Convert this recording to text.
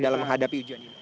dalam menghadapi ujian ini